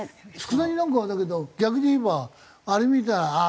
佃煮なんかはだけど逆に言えばあれ見たらああ